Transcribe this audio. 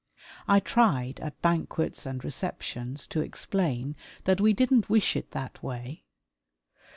I tried at banquets and receptions to explain that we didn't wish it that way.